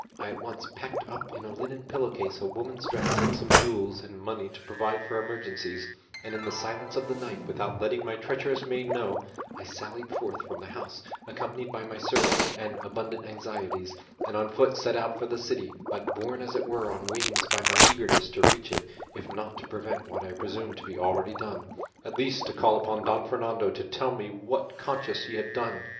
I at once packed up in a linen pillow case a woman's dress, and some jewels and money to provide for emergencies, and in the silence of the night, without letting my treacherous maid know, I sallied forth from the house, accompanied by my servant and abundant anxieties, and on foot set out for the city, but borne as it were on wings by my eagerness to reach it, if not to prevent what I presumed to be already done, at least to call upon Don Fernando to tell me with what conscience he had done it.